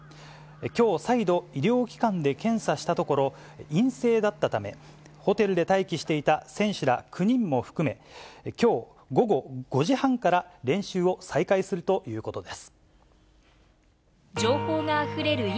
きょう再度、医療機関で検査したところ、陰性だったため、ホテルで待機していた選手ら９人も含め、きょう午後５時半から練習を再開するということです。